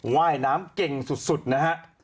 ว่ายน้ำเก่งสุดนะฮะ